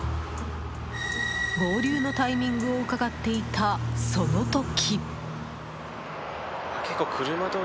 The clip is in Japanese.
合流のタイミングをうかがっていた、その時！